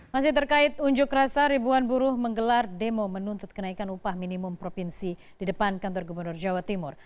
masih terkait unjuk rasa ribuan buruh menggelar demo menuntut kenaikan upah minimum provinsi di depan kantor gubernur jawa timur